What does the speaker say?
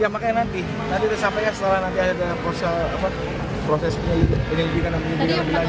ya makanya nanti nanti tersangka ya setelah nanti ada proses penyidikan lagi lagi